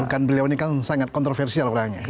kan beliau ini kan sangat kontroversial orangnya